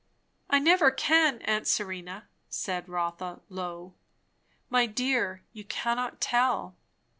"I never can, aunt Serena," said Rotha low. "My dear, you cannot tell."